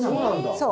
そう。